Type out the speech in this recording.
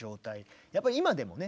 やっぱり今でもね